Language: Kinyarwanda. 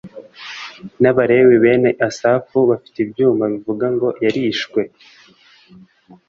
n abalewi bene asafu bafite ibyuma bivuga ngo yarishwe